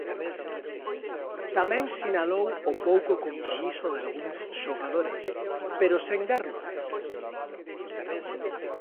Tamén sinalou o pouco compromiso dalgúns xogadores pero sen dar nomes.